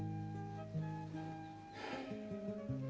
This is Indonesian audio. itu ada jajanan apa